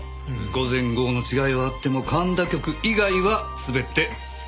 午前午後の違いはあっても神田局以外は全て同日。